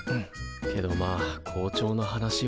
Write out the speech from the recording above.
けどまあ校長の話は。